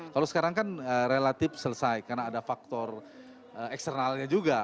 kalau sekarang kan relatif selesai karena ada faktor eksternalnya juga